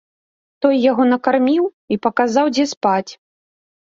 Той яго накарміў і паказаў, дзе спаць.